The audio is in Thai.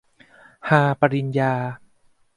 ฮา ปริญญา